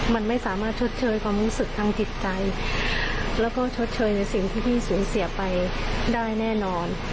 มันไม่สามารถชดเชยความรู้สึกทางจิตใจแล้วก็ชดเชยในสิ่งที่พี่สูญเสียไปได้แน่นอน